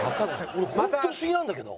俺ホント不思議なんだけど。